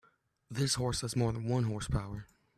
This horse has more than one horse power.